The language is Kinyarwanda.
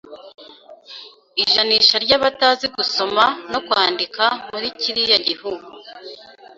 Ijanisha ry'abatazi gusoma no kwandika muri kiriya gihugu